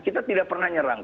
kita tidak pernah nyerang